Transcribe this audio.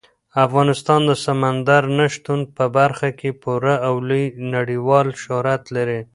افغانستان د سمندر نه شتون په برخه کې پوره او لوی نړیوال شهرت لري.